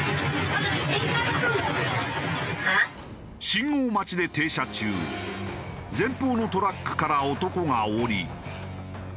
信号待ちで停車中前方のトラックから男が降り近付いてくる。